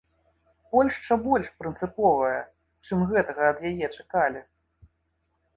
Польшча больш прынцыповая, чым гэтага ад яе чакалі.